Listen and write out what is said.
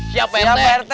siap pak rt